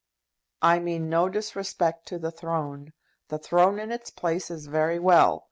"I mean no disrespect to the throne. The throne in its place is very well.